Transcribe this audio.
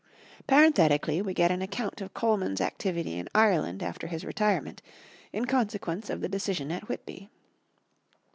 Parenthetically we get an account of Colman's activity in Ireland after his retirement, in consequence of the decision at Whitby.